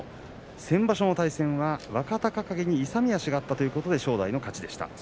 先場所の対戦は若隆景に勇み足があったということで正代が勝ちました。